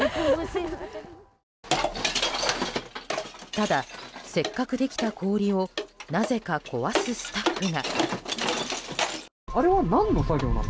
ただ、せっかくできた氷をなぜか壊すスタッフが。